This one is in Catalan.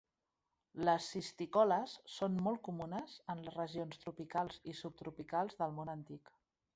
Les cisticoles són molt comunes en les regions tropicals i subtropicals del Món Antic.